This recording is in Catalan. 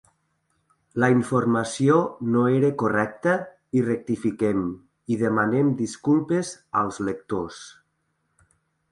La informació no era correcta i rectifiquem i demanem disculpes als lectors.